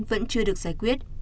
vẫn chưa được giải quyết